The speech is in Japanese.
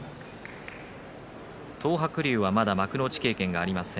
東白龍は、まだ幕内経験がありません。